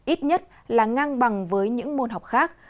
ít nhất là ngang bằng với những môn học khác